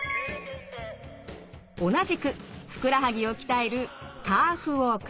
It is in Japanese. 同じくふくらはぎを鍛えるカーフウォーク。